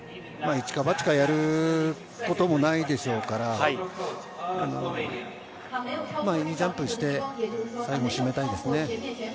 一か八かやることもないでしょうから、いいジャンプして最後締めたいですね。